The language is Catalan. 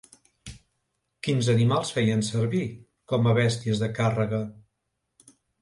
Quins animals feien servir com a bèsties de càrrega?